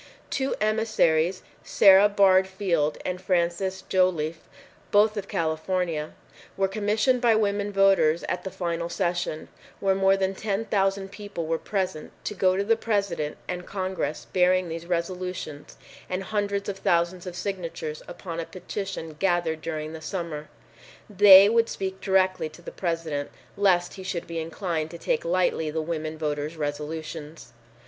Two emissaries, Sara Bard Field and Frances Joliffe, both of California, were commissioned by women voters at the final session, when more than ten thousand people were present, to go to the President and Congress bearing these resolutions and hundreds of thousands of signatures upon a petition gathered during the summer. They would speak directly to the President lest he should be inclined to take lightly the women voters' resolutions.